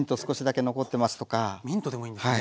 ミントでもいいんですね。